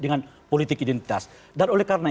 dengan politik identitas dan oleh karena